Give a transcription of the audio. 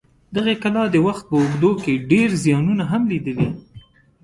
دغې کلا د وخت په اوږدو کې ډېر زیانونه هم لیدلي.